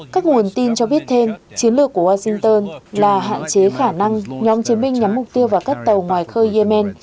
các nguồn tin cho biết thêm chiến lược của washington là hạn chế khả năng nhóm chiến binh nhắm mục tiêu vào các tàu ngoài khơi yemen